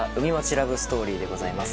ラブストーリーでございます。